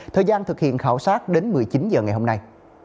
thời gian thực hiện khảo sát đến một mươi chín h ngày hôm nay